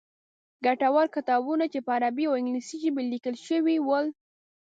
ګټور کتابونه چې په عربي او انګلیسي ژبې لیکل شوي ول.